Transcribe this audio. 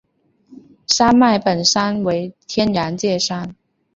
山脉本身为天然界山。